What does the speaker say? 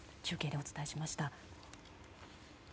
中継でお伝えしました。